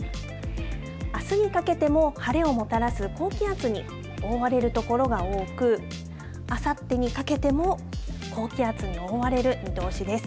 あすにかけても晴れをもたらす高気圧に覆われる所が多く、あさってにかけても、高気圧に覆われる見通しです。